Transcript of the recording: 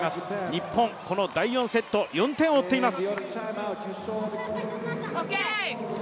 日本、この第４セット、４点を追っています。